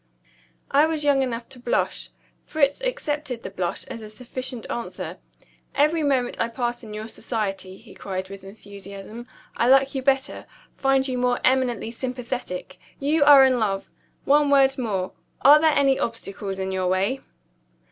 I was young enough to blush. Fritz accepted the blush as a sufficient answer. "Every moment I pass in your society," he cried with enthusiasm, "I like you better find you more eminently sympathetic. You are in love. One word more are there any obstacles in your way?"